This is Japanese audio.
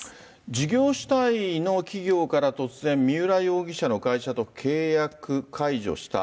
事業主体の企業から突然、三浦容疑者の会社と契約解除した。